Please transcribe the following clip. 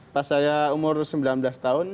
pas saya umur sembilan belas tahun